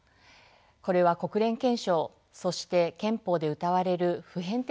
これは国連憲章そして憲法でうたわれる普遍的な価値です。